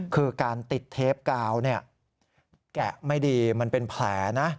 คือการติดเทปกาวเนี่ยแกะไม่ดีมันเป็นแผลนะ